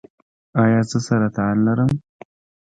ایا زه سرطان لرم؟